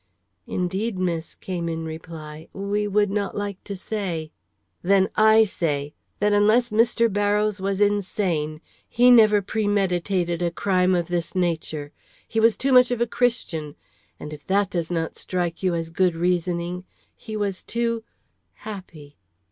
"Indeed, miss," came in reply, "we would not like to say." "Then, I say, that unless Mr. Barrows was insane, he never premeditated a crime of this nature. He was too much of a Christian. And if that does not strike you as good reasoning, he was too happy."